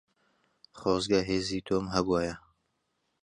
خۆزگە هێزی تۆم هەبوایە.